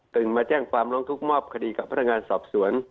มาแจ้งความร้องทุกข์มอบคดีกับพนักงานสอบสวน